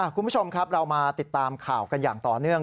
คุณผู้ชมครับเรามาติดตามข่าวกันอย่างต่อเนื่อง